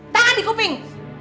tangan di kuping